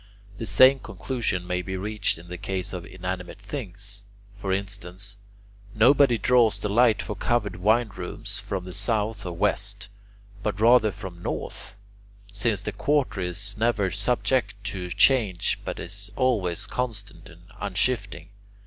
The same conclusion may be reached in the case of inanimate things. For instance, nobody draws the light for covered wine rooms from the south or west, but rather from the north, since that quarter is never subject to change but is always constant and unshifting.